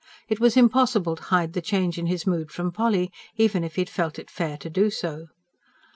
It was impossible to hide the change in his mood from Polly even if he had felt it fair to do so.